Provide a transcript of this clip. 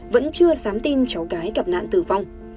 vẫn chưa dám tin cháu gái gặp nạn tử vong